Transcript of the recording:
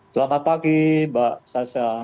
selamat pagi mbak sasha